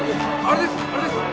あれですか？